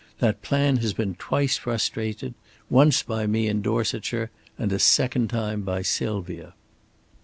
That plan has been twice frustrated, once by me in Dorsetshire, and a second time by Sylvia."